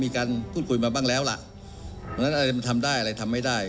มีการพูดคุยมาบ้างแล้วล่ะเพราะฉะนั้นอะไรมันทำได้อะไรทำไม่ได้